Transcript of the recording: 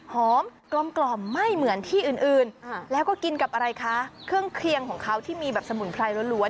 หอมกลมไม่เหมือนที่อื่นแล้วก็กินกับอะไรคะเครื่องเคลียงของเขาที่มีแบบสมุนไพรล้วน